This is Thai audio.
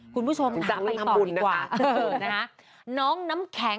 คุณผู้ชมถามไปต่อดีกว่า